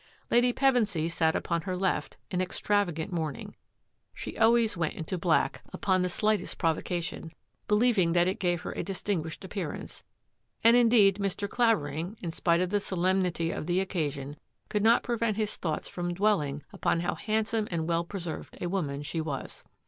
Lady Pevensy sat upon her left in extravagant mourning — she always went into black upon the 172 THAT AFFAIR AT THE MANOR slightest provocation, believing that it gave her a distinguished appearance — and indeed Mr. Clavering, in spite of the solemnity of the occa sion, could not prevent his thoughts from dwell ing upon how handsome and well preserved a woman she was.